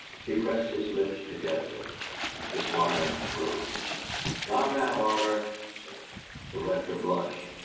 He pressed his lips together. The Squire rose. "Come now, Barter!" he said. The Rector blushed.